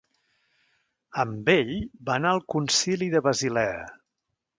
Amb ell va anar al Concili de Basilea.